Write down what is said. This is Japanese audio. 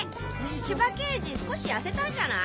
千葉刑事少し痩せたんじゃない？